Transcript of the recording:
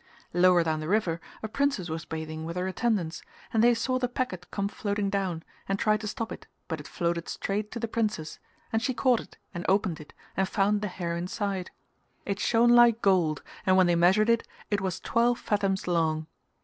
Lower down the river a princess was bathing with her attendants and they saw the packet come floating down and tried to stop it but it floated straight to the princess and she caught it and opened it and found the hair inside. It shone like gold and when they measured it, it was twelve fathoms long.